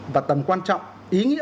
và tầm quan trọng ý nghĩa